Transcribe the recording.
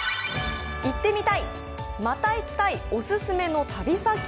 行ってみたい、また行きたいオススメの旅先